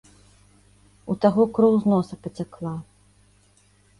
У таго кроў з носа пацякла.